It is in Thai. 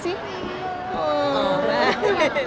ชอบเท่าไหร่คะ